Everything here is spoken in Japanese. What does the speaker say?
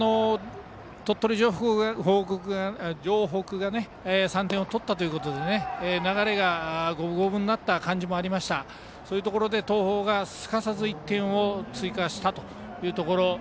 鳥取城北が３点を取ったということで流れが五分五分になった感じもありましたが、東邦がすかさず１点を追加したというところ。